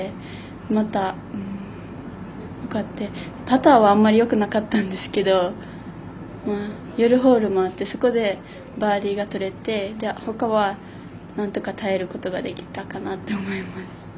また、パターはあまりよくなかったんですけど寄るホールもあって、そこでバーディーがとれてほかは、なんとか耐えることができたかなと思います。